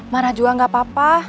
marah juga gak apa apa